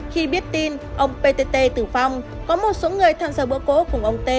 khi biết tin ông ptt tử vong có một số người tham gia bơ cổ cùng ông t